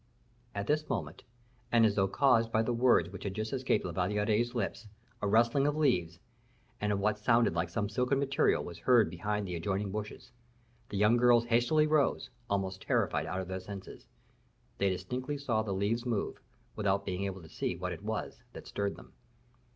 At this moment, and as though caused by the words which had just escaped La Valliere's lips, a rustling of leaves, and of what sounded like some silken material, was heard behind the adjoining bushes. The young girls hastily rose, almost terrified out of their senses. They distinctly saw the leaves move, without being able to see what it was that stirred them.